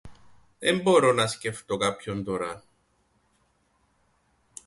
Εν μπορώ να σκεφτώ κάποιον τωρά....